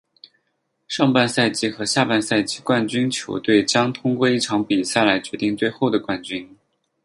上半赛季和下半赛季冠军球队将通过一场比赛来决定最后的冠军。